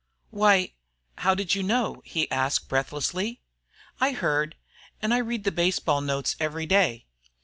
"Why how did you know?" he asked, breathlessly. "I heard, and I read the baseball notes every day."